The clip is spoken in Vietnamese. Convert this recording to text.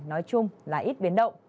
nói chung là ít biến động